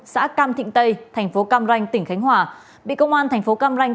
xã cam thịnh tây thành phố căm ranh tỉnh khánh hòa bị công an thành phố căm ranh